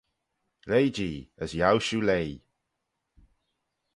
Leih-jee, as yiow shiu leih.